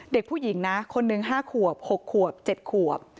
เด็กผู้หญิงนะคนหนึ่ง๕ขวบ๖ขวบ๗ขวบ